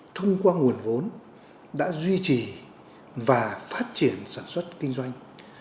thông qua nguồn vốn đã duy trì và phát triển sản xuất kinh doanh